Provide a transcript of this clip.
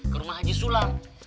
ke rumah haji sulam